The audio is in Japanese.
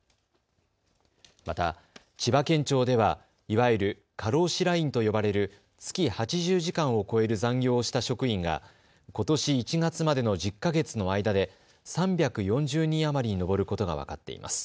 また千葉県庁ではいわゆる過労死ラインと呼ばれる月８０時間を超える残業をした職員がことし１月までの１０か月の間で３４０人余りに上ることが分かっています。